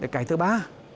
cái thứ ba